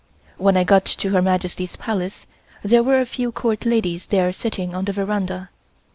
When I got to Her Majesty's Palace there were a few Court ladies there sitting on the veranda.